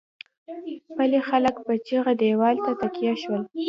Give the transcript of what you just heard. پلې خلک په چيغه دېوال ته تکيه شول.